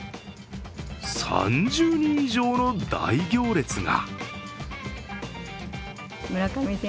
３０人以上の大行列が。